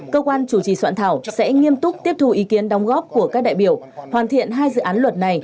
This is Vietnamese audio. cơ quan chủ trì soạn thảo sẽ nghiêm túc tiếp thu ý kiến đóng góp của các đại biểu hoàn thiện hai dự án luật này